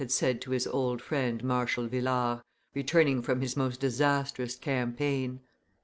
had said to his old friend Marshal Villars, returning from his most disastrous campaign.